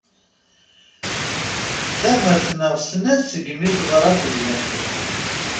Tamert neɣ snat segmi teḍra tedyant-nni.